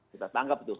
kita tangkap itu